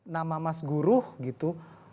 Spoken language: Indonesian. nama mas guru gitu